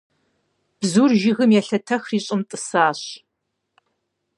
Бзур жыгым елъэтэхри щӏым тӏысащ.